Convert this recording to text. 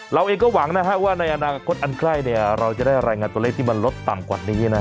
เราเองก็หวังว่าในอนาคตอันใกล้เราจะได้รายงานตัวเลขที่มันลดต่ำกว่านี้